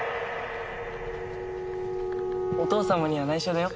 お父様には内緒だよ。